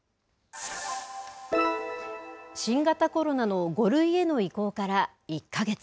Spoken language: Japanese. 新型コロナの５類への移行から１か月。